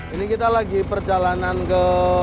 ini kita lagi perjalanan ke